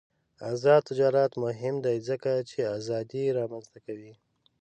آزاد تجارت مهم دی ځکه چې ازادي رامنځته کوي.